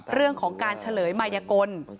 เรื่องของการเฉลยมายกล